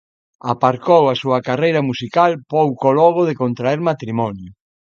Aparcou a súa carreira musical pouco logo de contraer matrimonio.